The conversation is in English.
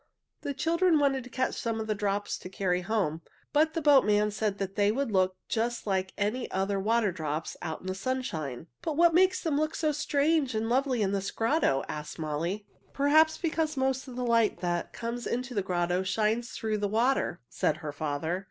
The children wanted to catch some of the drops to carry home, but the boat man said they would look just like any other water drops out in the sunshine. [Illustration: The drops of water were like strings of lovely opals] "But what makes them look so strange and lovely in this grotto?" asked Molly. "Perhaps because most of the light that comes into the grotto shines through the water," said her father.